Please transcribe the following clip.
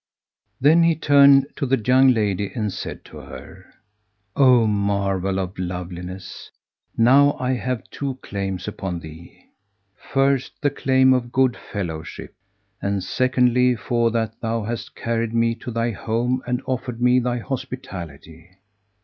Then he turned to the young lady and said to her, "O marvel of loveliness, now I have two claims upon thee; first the claim of good fellowship, and secondly for that thou hast carried me to thy home and offered me thy hospitality.